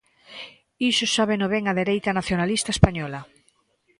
Iso sábeno ben a dereita nacionalista española.